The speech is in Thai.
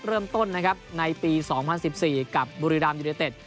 เริ่มต้นในปี๒๐๑๔กับบุรีรามยูนิเต็ต